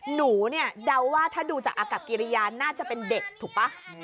หนูเนี่ยเดาว่าถ้าดูจากอากับกิริยาน่าจะเป็นเด็กถูกป่ะ